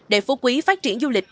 để phú quý phát triển du lịch